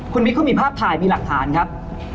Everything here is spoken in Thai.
คุณมิ๊กเขามีภาพถ่ายมีหลักฐานครับ